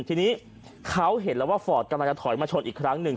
ทีนี้เขาเห็นแล้วว่าฟอร์ตกำลังจะถอยมาชนอีกครั้งหนึ่ง